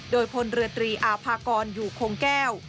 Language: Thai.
โดยพลเรือตรีอาภากรอยู่คงแก้ว